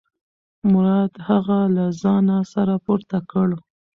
مراد هغه له ځانه سره پورته کړ.